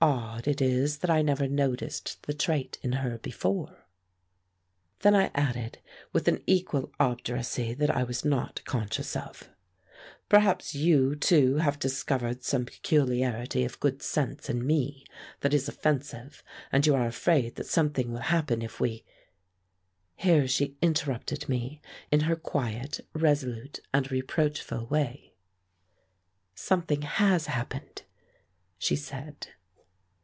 Odd it is that I never noticed the trait in her before." Then I added, with an equal obduracy that I was not conscious of: "Perhaps you, too, have discovered some peculiarity of good sense in me that is offensive, and you are afraid that something will happen if we " Here she interrupted me in her quiet, resolute, and reproachful way. "Something has happened," she said.